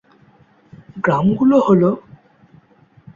গ্রামগুলো হলোঃ